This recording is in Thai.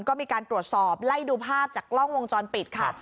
ก็มีการตรวจสอบไล่ดูภาพจากกล้องวงจรปิดค่ะ